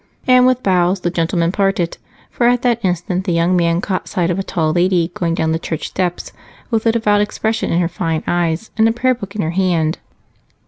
And with bows the gentlemen parted, for at that instant the young man caught sight of a tall lady going down the church steps with a devout expression in her fine eyes and a prayer book in her hand.